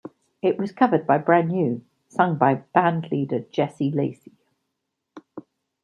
It was covered by Brand New, sung by band leader Jesse Lacey.